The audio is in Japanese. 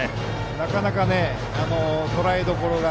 なかなかとらえどころが。